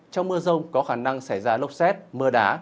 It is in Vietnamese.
trong mưa rông có khả năng xảy ra lốc xét mưa đá